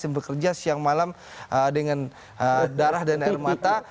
yang bekerja siang malam dengan darah dan air mata